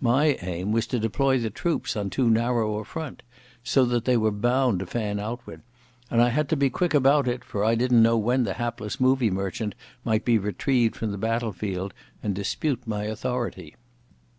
My aim was to deploy the troops on too narrow a front so that they were bound to fan outward, and I had to be quick about it, for I didn't know when the hapless movie merchant might be retrieved from the battle field and dispute my authority.